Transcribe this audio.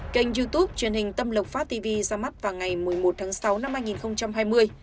kênh youtube truyền hình tâm lộc phát tv ra mắt vào ngày một mươi một tháng sáu năm hai nghìn hai mươi